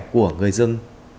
của người dân